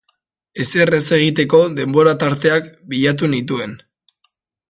Ezer ez egiteko denbora tarteak bilatu nituen.